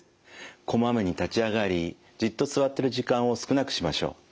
こまめに立ち上がりじっと座ってる時間を少なくしましょう。